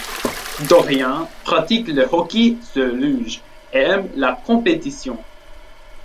Dorion pratique le hockey sur luge et aime la compétition.